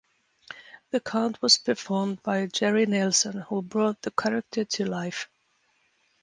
The Count was performed by Jerry Nelson, who brought the character to life.